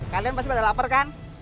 kalian pasti pada lapar kan